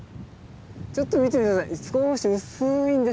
ちょっと見て下さい。